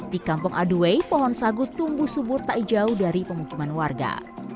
di kampung aduay pohon sagu tumbuh subur tak jauh dari pemukiman warga